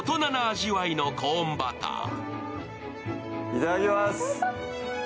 いただきます。